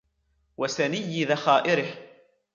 وَسَنِيِّ ذَخَائِرِهِ